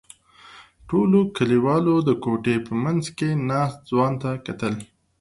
ټولو کلیوالو د کوټې په منځ کې ناست ځوان ته کتل.